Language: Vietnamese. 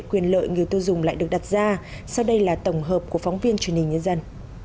quyền lợi người tiêu dùng lại được đặt ra sau đây là tổng hợp của phóng viên truyền hình nhân dân